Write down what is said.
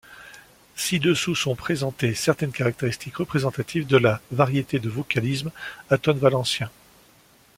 Ci-dessous sont présentées certaines caractéristiques représentatives de la variété du vocalisme atone valencien.